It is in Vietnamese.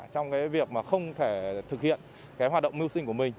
trong cái việc mà không thể thực hiện cái hoạt động mưu sinh của mình